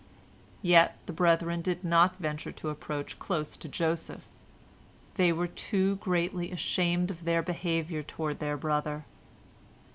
Yet the brethren did not venture to approach close to Joseph, they were too greatly ashamed of their behavior toward their brother.